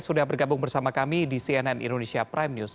sudah bergabung bersama kami di cnn indonesia prime news